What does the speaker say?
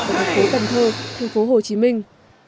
tại thành phố cần thơ thành phố hồ chí minh